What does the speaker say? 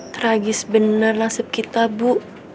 tragis benar nasib kita bu